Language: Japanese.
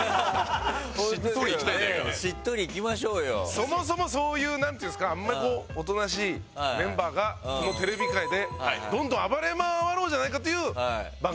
そもそもそういう何て言うんですかおとなしいメンバーがこのテレビ界でどんどん暴れ回ろうじゃないかという番組ですから。